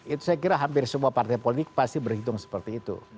itu saya kira hampir semua partai politik pasti berhitung seperti itu